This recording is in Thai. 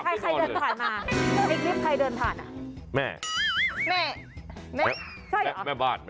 เพราะว่าบางทีรักกันอยู่ดี